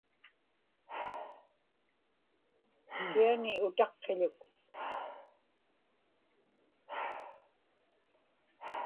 kiani utaqqiḷuk